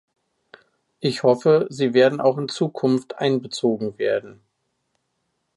Ich hoffe, sie werden auch in Zukunft einbezogen werden.